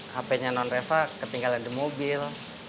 hpnya non reva kepinggalan di mobil